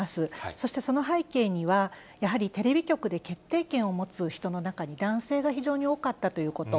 そして、その背景には、やはりテレビ局で決定権を持つ人の中に男性が非常に多かったということ。